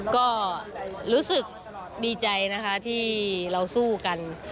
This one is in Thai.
ก็รู้สึกดีใจนะคะที่เราสู้กัน